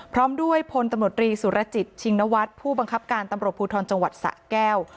พร้อมด้วยพลตำรวจรีสุรจิตชิงนวัฒน์ผู้บังคับการตำรวจภูทรจังหวัดสะแก้ว